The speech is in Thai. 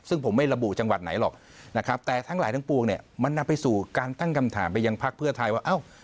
ซึ่งผมไม่ระบุจังหวัดไหนหรอกนะครับแต่ทั้งหลายทั้งปวงเนี่ยมันนำไปสู่การตั้งคำถามไปยังพักเพื่อไทยว่าเอ้า